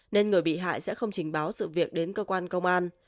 nên người bị hại sẽ không trình báo sự việc đến cơ quan công an